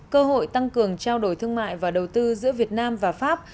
cơ hội tăng cường trao đổi thương mại và đầu tư giữa việt nam và pháp